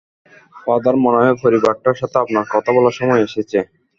Father, মনে হয় পরিবারটার সাথে আপনার কথা বলার সময় এসেছে।